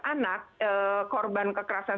anak korban kekerasan